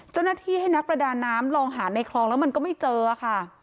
เจ้าหน้าที่ให้นักประดาน้ำลองหาในคลองแล้วมันก็ไม่เจอค่ะ